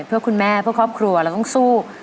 เพื่อคุณแม่เพื่อครอบครัวเราต้องสู้